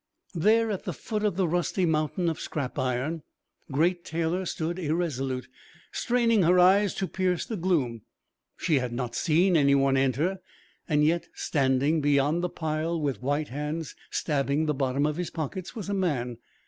There, at the foot of the rusty mountain of scrap iron, Great Taylor stood irresolute, straining her eyes to pierce the gloom. She had not seen any one enter; and yet, standing beyond the pile with white hands stabbing the bottom of his pockets, was a man.